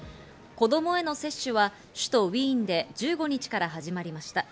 子供への接種は首都のウィーンで１５日から始まりました。